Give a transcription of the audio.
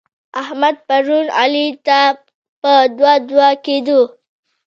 احمد؛ پرون علي ته په دوه دوه کېدو.